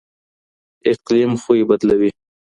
اقليم خوی بدلوي.